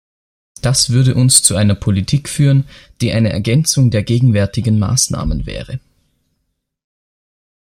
Das würde uns zu einer Politik führen, die eine Ergänzung der gegenwärtigen Maßnahmen wäre.